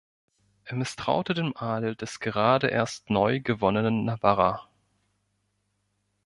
Er misstraute dem Adel des gerade erst neu gewonnenen Navarra.